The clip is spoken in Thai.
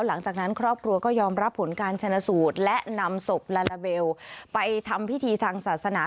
หลังจากนั้นครอบครัวก็ยอมรับผลการชนะสูตรและนำศพลาลาเบลไปทำพิธีทางศาสนา